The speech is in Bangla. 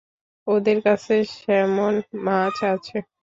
ওদের কাছে স্যামন মাছ আছে!